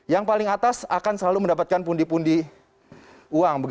yang paling atas akan selalu mendapatkan pundi pundi uang